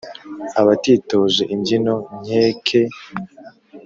Abatitoje ibyiyo nkeke,